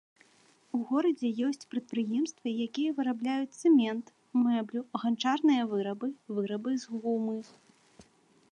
У горадзе ёсць прадпрыемствы, якія вырабляюць цэмент, мэблю, ганчарныя вырабы, вырабы з гумы.